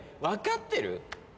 分かってる？